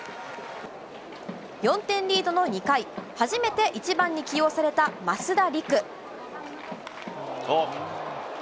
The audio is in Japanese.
４点リードの２回、初めて１番に起用された増田陸。